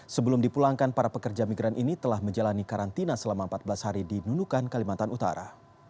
sebelum dipulangkan para pekerja migran ini telah menjalani karantina selama empat belas hari di nunukan kalimantan utara